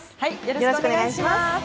よろしくお願いします。